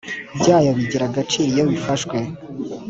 Byayo bigira agaciro iyo bifashwe